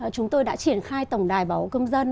chúng tôi đã triển khai tổng đài bảo hộ công dân